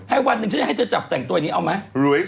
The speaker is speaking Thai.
วันหนึ่งฉันจะให้เธอจับแต่งตัวนี้เอาไหม